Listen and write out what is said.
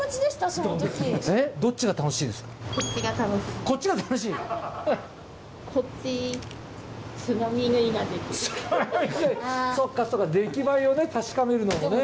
そっかそっか出来栄えを確かめるのもね。